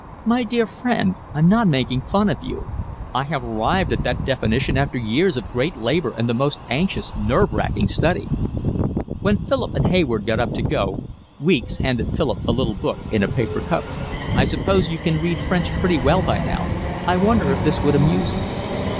"My dear friend, I'm not making fun of you. I have arrived at that definition after years of great labour and the most anxious, nerve racking study." When Philip and Hayward got up to go, Weeks handed Philip a little book in a paper cover. "I suppose you can read French pretty well by now. I wonder if this would amuse you."